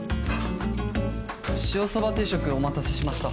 塩さば定食お待たせしました。